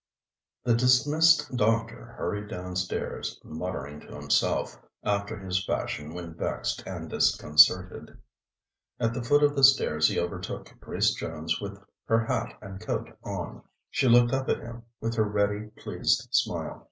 The dismissed doctor hurried downstairs, muttering to himself, after his fashion when vexed and disconcerted. At the foot of the stairs he overtook Grace Jones with her hat and coat on. She looked up at him with her ready, pleased smile.